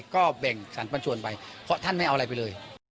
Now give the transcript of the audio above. ก็แบ่งสรรปันชวนไปเพราะท่านไม่เอาอะไรไปเลย